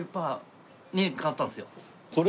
これ？